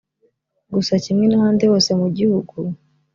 Gusa kimwe n’ahandi hose mu gihugu